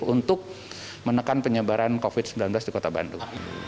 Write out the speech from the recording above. untuk menekan penyebaran covid sembilan belas di kota bandung